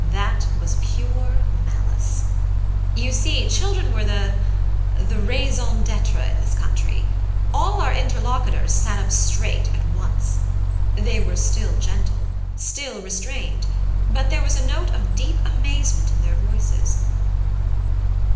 That was pure malice. You see, children were the the raison d'être in this country. All our interlocutors sat up straight at once. They were still gentle, still restrained, but there was a note of deep amazement in their voices.